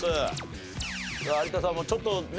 有田さんもちょっとね